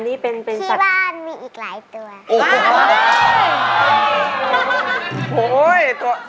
ที่บ้านมีอีกหลายตัว